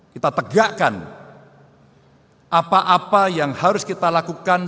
kita tegakkan apa apa yang harus kita lakukan